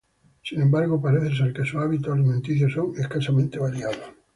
Sin embargo, parece ser que sus hábitos alimenticios son escasamente variados.